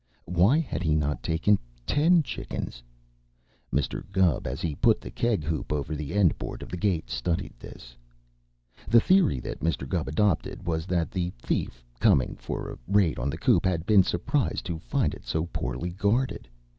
Why had he not taken ten chickens? Mr. Gubb, as he put the keg hoop over the end board of the gate, studied this. The theory that Mr. Gubb adopted was that the thief, coming for a raid on the coop, had been surprised to find it so poorly guarded.